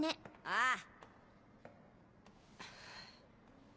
ああ。